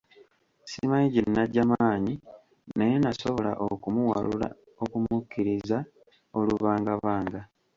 Simanyi gye naggya maanyi, naye nasobola okumuwalula okumukkiriza olubangabanga.